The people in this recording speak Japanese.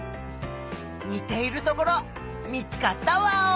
にているところ見つかったワオ！